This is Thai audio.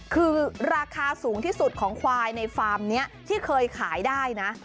คือราคาสูงที่สุดของควายในฟาร์มนี้ที่เคยขายได้นะ